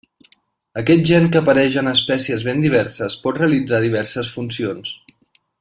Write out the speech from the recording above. Aquest gen que apareix en espècies ben diverses pot realitzar diverses funcions.